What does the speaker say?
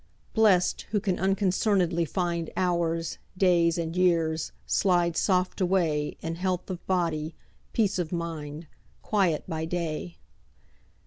Blest, who can unconcern'dly find Hours, days, and years, slide soft away In health of body, peace of mind, Quiet by day.